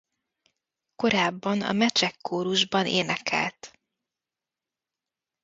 Korábban a Mecsek Kórusban énekelt.